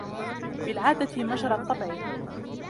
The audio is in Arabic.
بِالْعَادَةِ مَجْرَى الطَّبْعِ